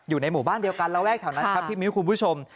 อยู่ในหมู่บ้านเดียวกันระแวกแถวนั้นครับพี่มิ้วคุณผู้ชม